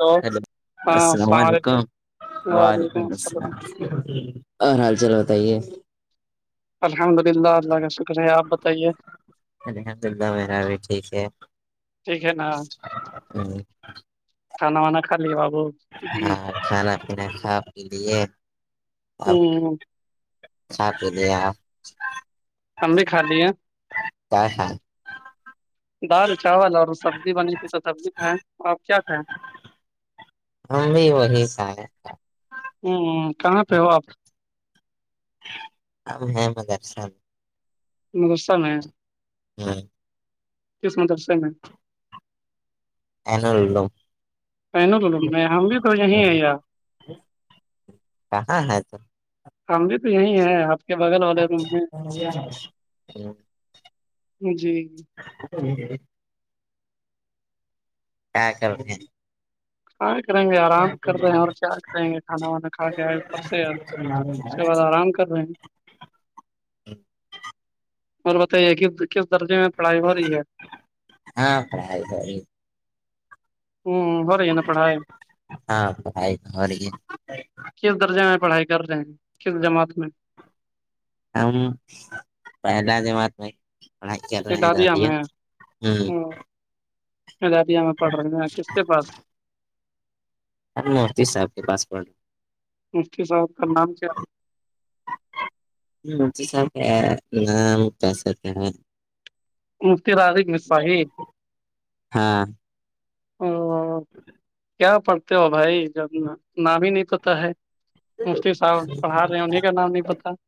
hello hello السلام علیکم وعلیکم السلام اور حال چال بتائیے الحمد للہ اللہ کا شکر ہے آپ بتائیے الحمد اللہ مرا بھی ٹھیک ہے ٹھیک ہے نا ہوں کھانا وانا خالی بابو ہاں کھانا پینا کھا پی لیے اب ہ س توولے ہممب بھی کھا لی ہے ہاں ہاں دال چاول اور سبزی بنی تھی تو سبزی کھائے اور آپ کیا کھائیں ہم بھی وہی کھائے ہ کہاں پہ ہو آپ ہے م درشن م گصہان ہے ہوں کس مدرسے میں این ع لم پہن تو ل ہم بھی تو یہیں ہے یار کہاں ہے تو آم بھی تو یہی ہے آپ کے بغل والے روم میں [unintelligible] جی [unintelligible] [unintelligible] کاں کریں گے آرام کر رہے ہیں اور پیار کریں گے کھانا وانا کھا کے آ پرس ہاں اس کے بعد آرام کر رہے ہیں اور بتائیے کہ کس درجے میں پڑائی ہو رہی ہے ہاں پڑ آ آ ہوں ہو رہی ہے نے پڑھائے ہاں پڑھائی ہو رہی ہے کس درجے میں پڑھائی کر رہے ہیں کس جماعت میں ہمم پہلا جمات میں پڑھائی کرل رہے ہیں دادیا ہوں اابیہ میں پڑھ رہے ہیں کس کے پاس متی صاحب کے پاسپ ہ مفتی صاحب کا نام کیا سب ن کیسے مفتی ہاں ا کیا پڑھتے ہو بھائی جب نام ہی نہیں پتا ہے مفتی صاحب پڑھا رہے ہیں انہیں کا نام نہیں پتا [unintelligible]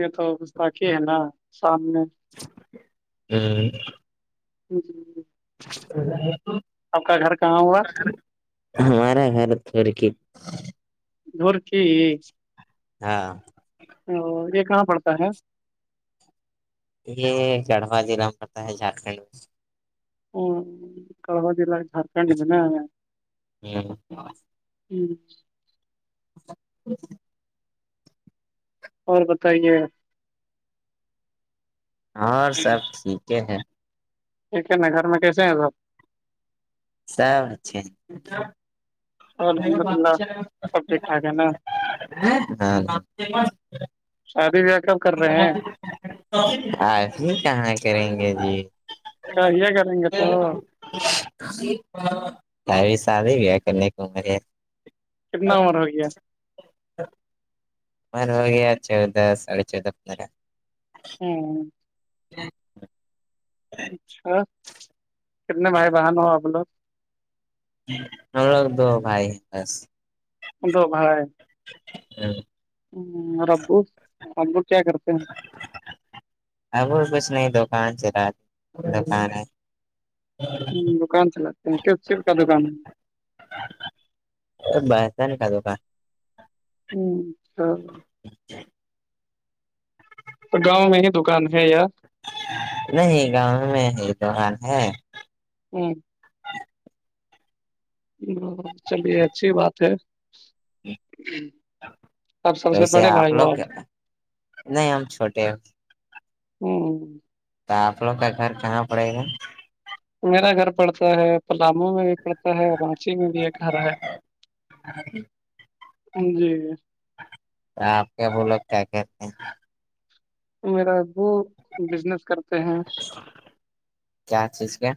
یہ تو باقی ہے نا شام میں [unintelligible] جی جی [unintelligible] آپ کا گھر کہاں ہوا ہمارا دورچ ہاں ا یہ کہاں پڑتا ہے یہ چڑھوا ضلع میں پڑتا ہے جھارکھنڈ میں ہ کڑوا ج ل جارکھن دینا ہوں ہوں [unintelligible] اور بتائیے اور سب ٹھیک ہے ٹھ ہے ن گھر میں کیس ہیں سب سب اچھے ہیں الحمد للہ سب ٹھیک ٹھاک ہے نا [unintelligible] شادی بیا آمی کہاں کریں گے جی کیا یہ کریں گے تو اری سادی بیا کرنے گوم کتنا عمر ہوگیا مر ہو گیا چودہ ساڑے چودہ اپ مارا ہوں [unintelligible] اچھا کتنے بھائی بہن ہو آپ لوگ ہم لوگ دو بھائی ہیں بس تو بھائی ہ [unintelligible] اور آپکو ہم لوگ کیا کرتے ہیں [unintelligible] ہ دکان چلاتے ہیں کس س کا دکان ہے بسا نہیں کہ د کا ہوں تو تو گاؤں میں ہی دکان ہے یاار نہیں گاؤں میں ہی دکان ہے ہوں ہ چلیے اچھی بات ہے جی [unintelligible] آپ سب سے ویسے بڑے آپ بھائی لوگ ہو کیا نہیں ہم چھوٹے ہو ہوں تو آپ لوگ کا گھر کہاں پڑے گا میرا گھر پڑتا ہے پلامو میں بھی پڑتا ہے رانچی میں بھی ایک گھر ہے جی آپ کیا بولو کیا کہتے ہیں میرا ابو بزنس کرتے ہیں کیا چیز کیا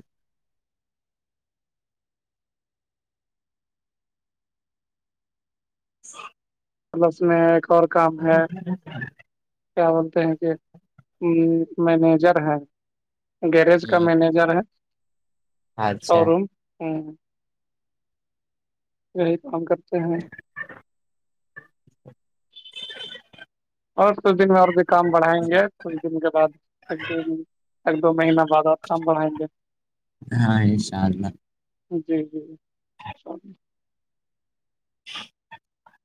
س [unintelligible] بس میں ایک اور کام ہے کیا بولتے ہیں کہ مینیجر ہے گریج کا مینیجر ہے شو اچھا روم یہی کام کرتے ہیں اور س دن اور بھی کام بڑھائیں گے کچھ دن کے بعد ایک دو دن ایک دو مہینہ بعد اور کام بڑھائیں گے ہاں ا شاء اللہ جی جی شام [inaudible]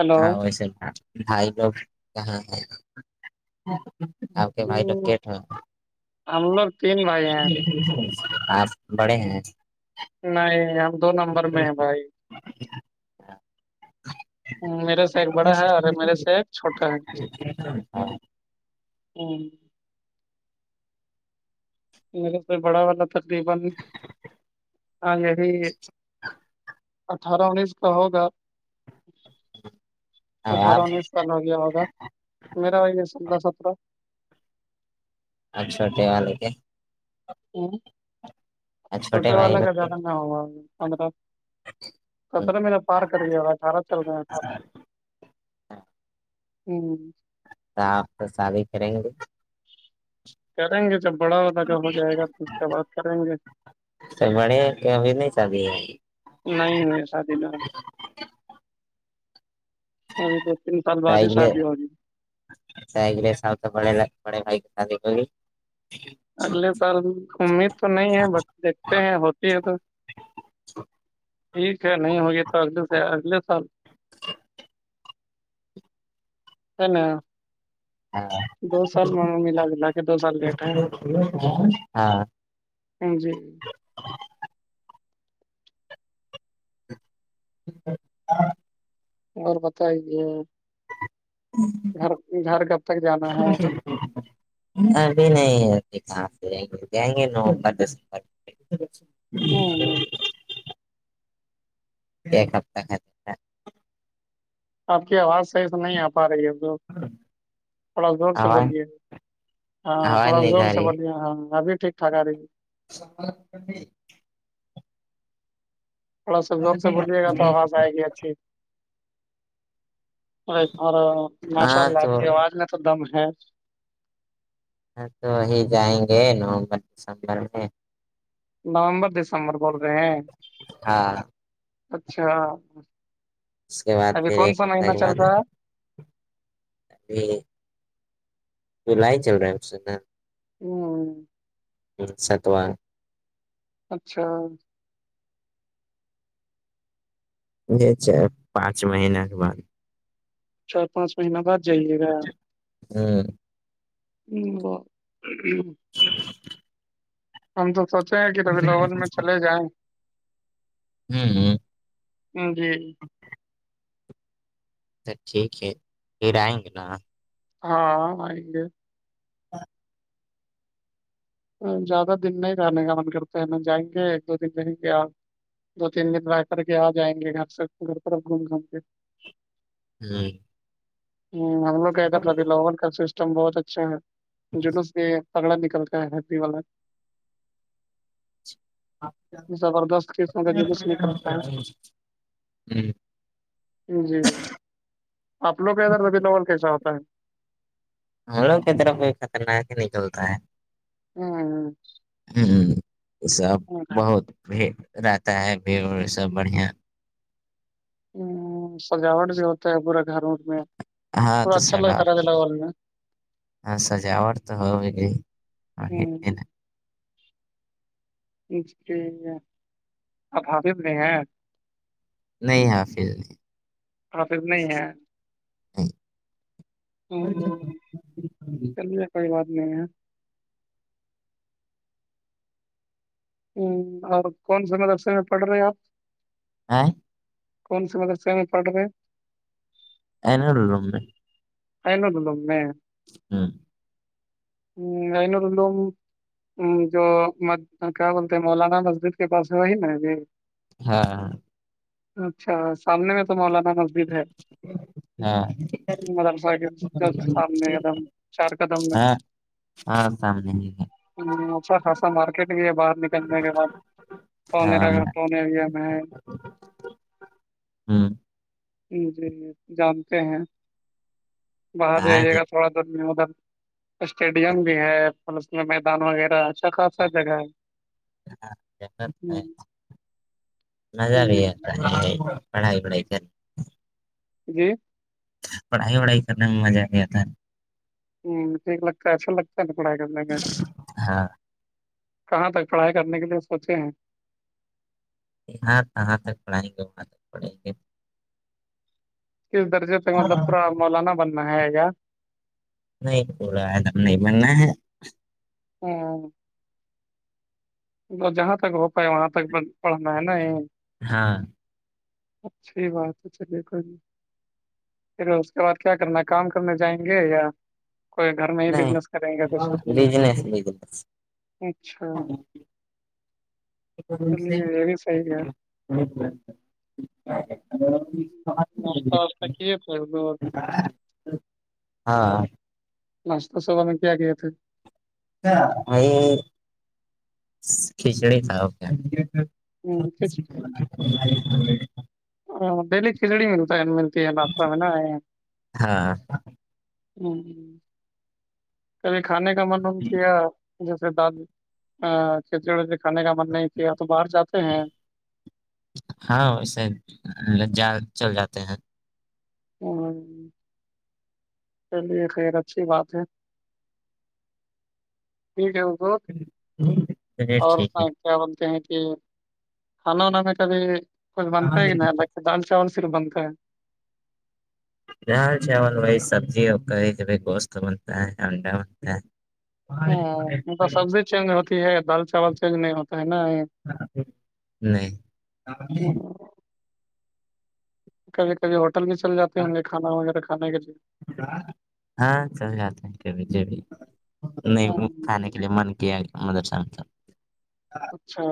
ہلو ہاں ویسے بھائی لوگاں آ پکے بھاائی لوگ کیٹھ ہم لوگ تین بھائی ہیں آپ بڑے ہیں نہیں ہم دو نمبر میں ہیں بھائی ا [inaudible] میرے سے ایک بڑا ہے اور میرے سے ایک چھوٹا ہے ہوں م بڑا والا [unintelligible] اٹھارہ انیس کا ہوگا اٹھارہ آپ انیس بن ہو گیا ہوگا میرا وہی ہے س دس سترہ اچھوٹٹی والے کے ہ اور چھوٹے بھائی والا لوگ کا کے زدہ نہ ہوگا پندرہ کترہ میں نے پار کر گیا ہوا اٹھارہ چل رہے ہیں اٹھارہ ہمم تو آپ تو سارے ہی کریں گے کریں گے جب بڑا ہو تا ہو جائے گا تو اس کے بعد کریں گے تو بڑے ہے کیا ابھی نہیں چلی نہیں ہوئے شادی نہ اب دو تین سال بعد ہی شادی ہو جی س س تو پڑے پڑے بھائی کے شادی کو اگلے سال گھمی تو نہیں ہے بس دیکھتے ہیں ہوتی ہے تو ٹھیک ہے نہیں ہوگی تو اگلے سے اگلے سال ہے نہ ہاں دو سال م ملا جلا کے دو سال لیٹ ہے [unintelligible] جی [unintelligible] اور بتائدے گھر گھر کب تک جانا ہے ابھی نہیں ابھی جائیں گے نو اوپر دسوپر [inaudible] نہیں نہیں ایک ہفتہ ہے آپ کی آواز صحیح سے نہیں آ پا رہی ہے ا تھوڑا زور سے آواز بولیے ہاں آواز تھوڑا نہیں زور جا سے رہی بلیے ہاں ابھی ٹھیک ٹھاک آ رہی ہے [unintelligible] تھوڑا دم سے بولیے گا تو آواز آئے گی اچھی اور ماشاء ہاں اللہ تو آپ کی آواز میں تو دم ہے ہاں تو وہی جائیں گے نومبر دسمبر میں نومبر دسمبر بول رہے ہیں ہاں اچھا اس کے بعد ابھی پھر کون ایک سا ہفتہ مہینہ کے چل بعد رہا ہے [unintelligible] جلی چل رہا ہے اس سے نا [unintelligible] پھر سے تو اچھا یہ چ پانچ مہینہ کے بعد چار پانچ مہینہ بعد جائیے گا ہوں [unintelligible] [unintelligible] ہم تو سوچے ہیں کہ تبھی لگن میں چلے جائیں ہمم جی ا ٹھیک ہے پھر آئیں گے نا ہاں ہم آئیگے زیادہ دن نہیں رہنے کا من کرتا ہے ن جائیں گے ایک دو دن رہیں گے آپ دو تین دن رہ کر کے آ جائیں گے گھر سے گھوم گھوم کے ہمم ہ ہم لوگ کادرلبھی لوول کا سسٹم بہت اچھا ہے جلوس بھی ہے پگڑا نکلتا ہے ہری والا زبردست قسموں کا جلوس نکلتا ہے ہوں ہوں جی جی لوگ کہتے ہی ربیع الاول کیسا ہوتا ہے م لوگ ک طر کوئی خطرناک ہی نکلتاا ہے [unintelligible] ہاں ہاں [unintelligible] ہ سب بہت بھیڑ رہتا ہے بھیڑڑ سب بڑھیا ہ سجاوٹ بھی ہوتا ہے پورا گھر ور میں ہاں تھڑ تو اچھا سڈا لگتا رہا لگول میںا [unintelligible] ہاں سجاوٹ تو ہوی ہوں [unintelligible] ابا بھی نہیں ہیں [unintelligible] نہیں حاںفل نہیں حافظ نہیں ہمم ہمم چلیے کوئی بات نہیں ہے ہ اور کون سے مدرسے میں پڑھ رہے ہیں آپ ہے کون سی مدرسے میں پڑ رہے ہے [unintelligible] ائنگلو میں ہاں [unintelligible] جو کیا بولتے ہیں مولانا مسجد کے پاس ہے وہی نا ج [unintelligible] ہاں ہاں اچھا سالنے میں تو موولانا م [unintelligible] ہاں ان میںم چار قدم میں ہاں [unintelligible] ہاں سم د ہے [unintelligible] ہ سر خاصا مارکیٹ بھی ہے باہر نکلنے کے بعد [unintelligible] پونے ہاں ن پنےیریا میں ہے [unintelligible] ہوں مجھے جانتے ہیں باہر بھی آئیں آئیے گا دیکھتا تھوڑا دیر میں ادھر اسٹیڈیم بھی ہے پ اس میں میدان وغیرہ اچھا خاصا جگہ ہے ہوں، نظ جی رہی ہے [unintelligible] ج پڑھائی پڑھائی کر جی پڑھائی وڑھائی کرنے میں مزہ آ گیا تھا ہوں ٹھیک لگتا ہے ایسا لگتا ہے ن پڑھائی کاڑھ [unintelligible] ہاں کہاں تک پڑھائی کرنے کے لیے سوچے ہیں یہاں کہاں تک پڑھائیں گے وہاں تک پڑھیں گے کس درجے تک مطلب گے پورا مولانا بننا ہے گا نہیں ب رہا ہےدم نہیں ملنا ہے [unintelligible] ہاں جہاں تک ہو پائے وہاں تک پڑھنا ہے نا ہاں اچھیی بات ہے چلیے کوئی پھر اس کے بعد کیا کرنا ہے کام کرنے جائیں گے یا کوئی گھر میں ہی نہیں بزنس کریں گا کچھ بزنس اچھا چلیے یہ بھی صحیح ہے جی [unintelligible] نستہ واسہ ک ف [unintelligible] ہاں ناشتہ سبا میں کیا گئے تھے [unintelligible] کھچڑی کاؤ پ [unintelligible] ہ سکس [unintelligible] [unintelligible] ہ ڈہلی کھچڑی ملتا ہے ملتی ہے بادشہ میں نہ [unintelligible] ہاں ہوں کبھی کھانے کا منوم کیا [unintelligible] جیسے داد کھچڑی وری کھانے کا من نہیں کیا تو باہر جاتے ہیں ہاں ویے جا چل جاتے ہیں چلیے خیر اچھی بات ہے پڈ چلیے اور ٹھیک ہے کیا بولتے ہیں کہ ہلونا میں کبھی کچھ بنتا ہے کہ نہیں دال چاول سےر بنتا ہے دال چاول وہی سبزیی ج گوشت بنتا ہے انڈا بنتا ہے ہ مطب سبزی چینج ہوتی ہے دال چاول چینج نہیں ہوتا ہے نا نہیں [unintelligible] ہم، کبھی کبھی ہوٹل میں چل جاتے ہوں گے کھانا وغیرہ کھانے کے لیے ہاں چل جاتے ہیں بھیھی ہم، نہیں کھانے من کی آ مدر سام اچھا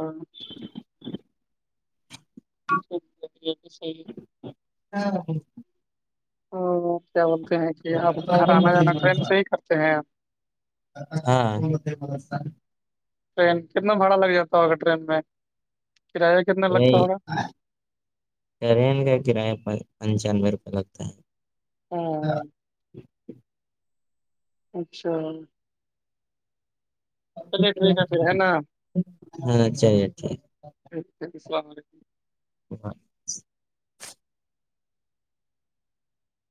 [inaudible] ہاں کیا بولتے ہیں کہ آپ گھر آنا جانا ٹرین سے ہی کرتے ہیںپ ہاں ٹرین کتنا بھاڑا لگ جاتا ہو اگر ٹرین میں کرایہ کتنا لگتا وہی ہوگا ٹرین کا کرایہ پنچانوے روپے لگتا ہے ہاں ہاں اچھا چلیے ٹھیک ہے پھر ہے نا ہاں چلیے ٹھیک اچھ السلام علیکم باں